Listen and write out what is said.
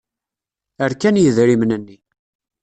Rkan yidrimen-nni.